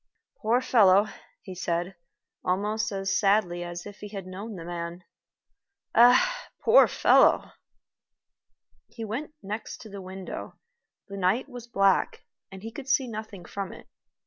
"Poor fellow," he said, almost as sadly as if he had known the man. "Ah! poor fellow!" He went next to the window. The night was black, and he could see nothing from it.